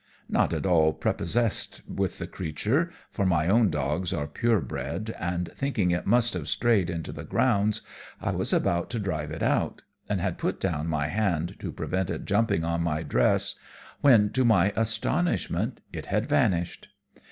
Not at all prepossessed with the creature, for my own dogs are pure bred, and thinking it must have strayed into the grounds, I was about to drive it out, and had put down my hand to prevent it jumping on my dress, when, to my astonishment, it had vanished.